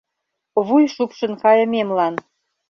— Вуй шупшын кайымемлан.